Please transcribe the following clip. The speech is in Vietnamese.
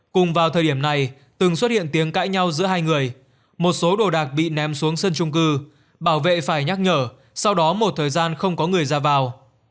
cùng vào thời điểm này từng xuất hiện tiếng cãi nhau giữa hai người một số đồ đạc bị ném xuống sân trung cư bảo vệ phải nhắc nhở sau đó một thời gian không có người ra vào